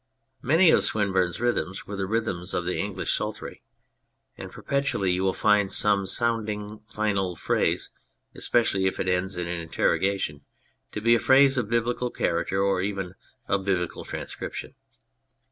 Many of Swinburne's rhythms were the rhythms of the English Psaltry, and perpetually you will find some sounding final phrase, especially if it ends in an interrogation, to be a phrase of biblical character or even a biblical tran scription.